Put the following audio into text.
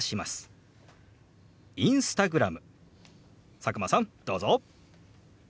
佐久間さんどうぞ。